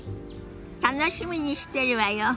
楽しみにしてるわよ。